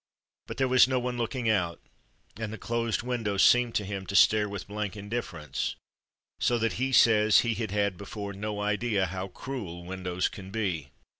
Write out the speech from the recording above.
But there was no one looking out, and the closed windows seemed to him to stare with blank indifference, so that he says he had had before no idea how cruel windows can be.